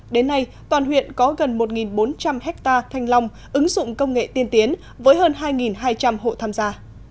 đến nay toàn huyện có gần một bốn trăm linh hectare thanh long ứng dụng công nghệ tiên tiến với hơn hai hai trăm linh hộ tham gia